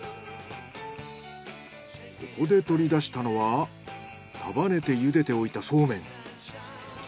ここで取り出したのは束ねて茹でておいたそうめん。